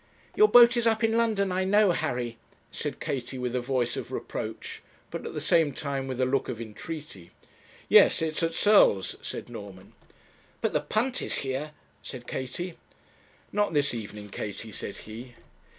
'Your boat is up in London, I know, Harry,' said Katie, with a voice of reproach, but at the same time with a look of entreaty. 'Yes, it's at Searle's,' said Norman. 'But the punt is here,' said Katie. 'Not this evening, Katie,' said he.